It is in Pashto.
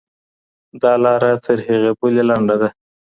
دا لاره تر هغې بلي لنډه ده.